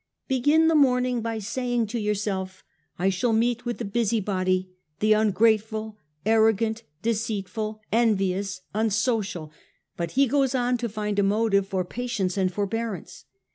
' Begin the morning by saying to thyself, I shall meet with the busy body, the ungrateful, arrogant, deceitful, envious, unsociaV but he goes on to find a motive for patience and forbearance.